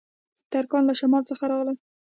ترکان له شمال څخه راغلل